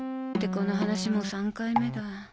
この話もう３回目だ